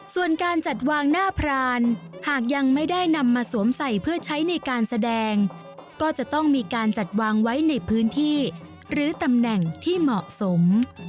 ส่วนการจัดวางหน้าพรานหากยังไม่ได้นำมาสวมใส่เพื่อใช้ในการแสดงก็จะต้องมีการจัดวางไว้ในพื้นที่หรือตำแหน่งที่เหมาะสม